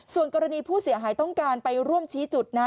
ส่วนกรณีผู้เสียหายต้องการไปร่วมชี้จุดนะ